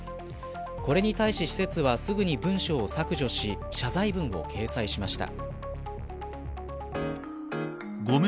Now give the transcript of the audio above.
これに対し施設はすぐに文章を削除しすぐに謝罪文を掲載しました。